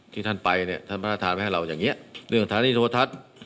ที่ท่านไปเนี่ยท่านประธานไว้ให้เราอย่างนี้เรื่องฐานีโทรทัศน์